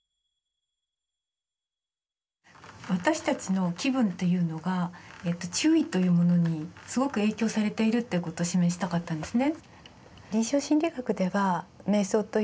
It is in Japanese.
私たちの気分というのが注意というものにすごく影響されているということを示したかったんですね。